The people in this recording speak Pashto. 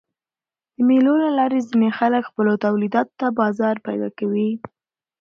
د مېلو له لاري ځيني خلک خپلو تولیداتو ته بازار پیدا کوي.